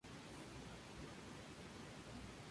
Se trata de un descapotable.